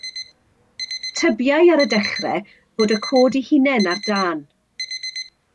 Tybiai ar y dechrau fod y coed eu hunain ar dân.